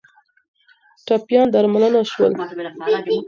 ټپیان درملنه شول